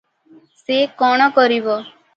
ସେ କଣ କରିବ?